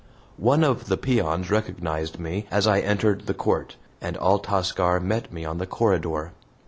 One of the peons recognized me as I entered the court, and Altascar met me on the corridor.